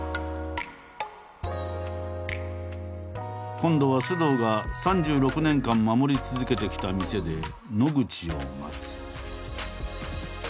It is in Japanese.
今度は須藤が３６年間守り続けてきた店で野口を待つ。